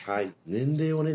年齢をね